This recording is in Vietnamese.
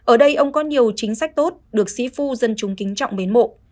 ở đây ông có nhiều chính sách tốt được sĩ phu dân chúng kính trọng bến mộ